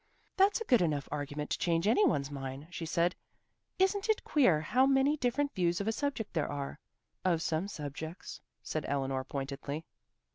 "That's a good enough argument to change any one's mind," she said. "Isn't it queer how many different views of a subject there are?" "Of some subjects," said Eleanor pointedly.